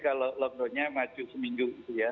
kalau lockdownnya maju seminggu